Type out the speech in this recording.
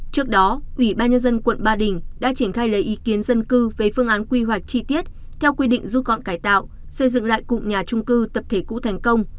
trước đó ủy ban nhân dân quận ba đình đã triển khai lấy ý kiến dân cư về phương án quy hoạch chi tiết theo quy định rút gọn cải tạo xây dựng lại cụm nhà trung cư tập thể cũ thành công